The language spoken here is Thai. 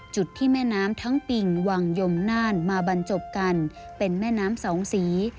จุดที่แม่น้ำทั้งปิงวังยมน่านมาบรรจบกันเป็นแม่น้ำสองสี